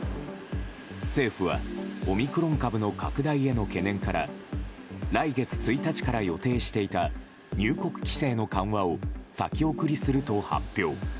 政府はオミクロン株の拡大への懸念から来月１日から予定していた入国規制の緩和を先送りすると発表。